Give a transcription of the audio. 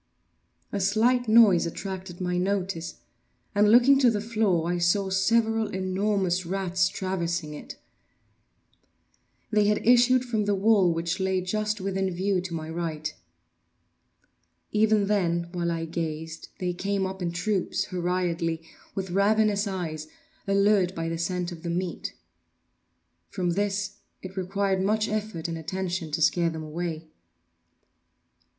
A slight noise attracted my notice, and, looking to the floor, I saw several enormous rats traversing it. They had issued from the well, which lay just within view to my right. Even then, while I gazed, they came up in troops, hurriedly, with ravenous eyes, allured by the scent of the meat. From this it required much effort and attention to scare them away.